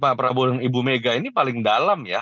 pak prabowo dan ibu mega ini paling dalam ya